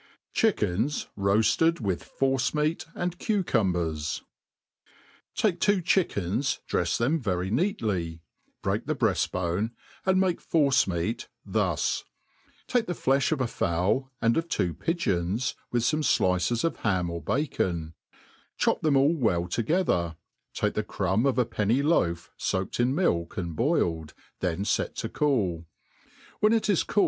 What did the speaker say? t/ Chickens roafted with fora^meat and eucumiers* TAKE two chickens, drefs them very neady, break the breaft bone; and make force meat thus : take the flefli of a fowl, ahd of two pigeons, with fome flices of ham or bacon ; cho|i them all well together, take the crumb of a penny loaf foaked in milk and boiled, then fet to cool; when it is coo!